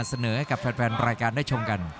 เสนอให้กับแฟนรายการได้ชมกัน